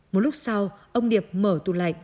một lúc sau ông điệp mở tủ lạnh